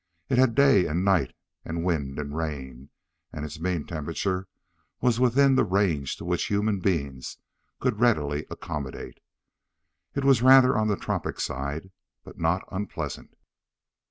It had day and night and wind and rain, and its mean temperature was within the range to which human beings could readily accommodate. It was rather on the tropic side, but not unpleasant.